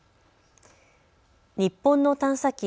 日本の探査機